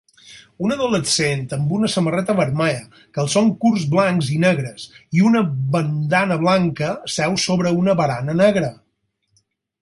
Un adolescent amb una samarreta vermella, calçons curts blancs i negres i una bandana blanca seu sobre una barana negra.